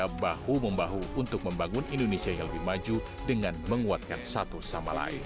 kita bahu membahu untuk membangun indonesia yang lebih maju dengan menguatkan satu sama lain